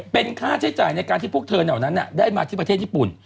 เป็นค่าใช้จ่ายในการที่พวกเธอเหล่านั้นได้มาที่ประเทศญี่ปุ่น